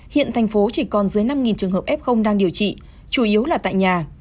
hiện thành phố chỉ còn dưới năm trường hợp f đang điều trị chủ yếu là tại nhà